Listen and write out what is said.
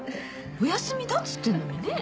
お休みだっつってんのにねぇ。